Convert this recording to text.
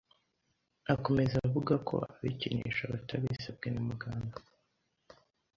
Akomeza avuga ko abikinisha batabisabwe na muganga